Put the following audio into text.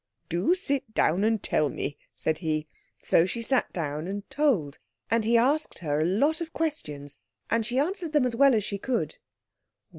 "Do sit down and tell me," said he. So she sat down and told. And he asked her a lot of questions, and she answered them as well as she could.